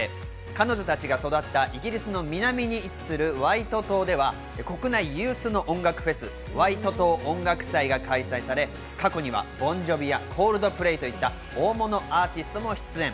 彼女たちが育ったイギリスの南に位置するワイト島では国内有数の音楽フェス、ワイト島音楽祭が開催され、過去にはボン・ジョヴィやＣｏｌｄｐｌａｙといった大物アーティストも出演。